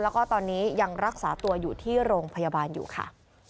แล้วก็ตอนนี้ยังรักษาตัวอยู่ที่โรงพยาบาลอยู่ค่ะ